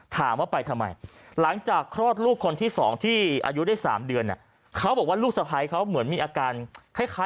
ถามว่าไปทำไมหลังจากคลอดลูกคนที่๒ที่อายุได้๓เดือนนะ